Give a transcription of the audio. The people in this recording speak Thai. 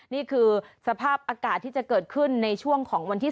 นี่คือสภาพอากาศที่จะเกิดขึ้นในช่วงของวันที่๑